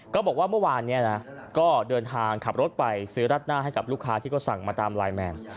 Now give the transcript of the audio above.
ก็บอกว่าเมื่อวานนี้นะก็เดินทางขับรถไปซื้อรัดหน้าให้กับลูกค้าที่ก็สั่งมาตามไลน์แมน